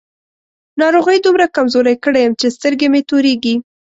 ناروغۍ دومره کمزوری کړی يم چې سترګې مې تورېږي.